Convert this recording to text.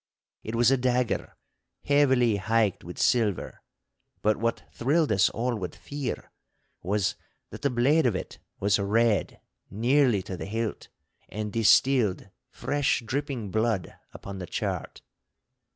It was a dagger heavily hiked with silver. But what thrilled us all with fear was, that the blade of it was red nearly to the hilt, and distilled fresh dripping blood upon the chart.